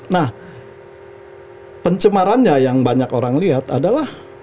nah pencemarannya yang banyak orang lihat adalah